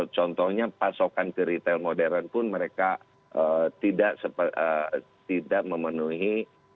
contohnya pasokan ke retail modern pun mereka tidak memenuhi